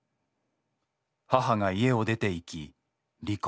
母が家を出ていき離婚。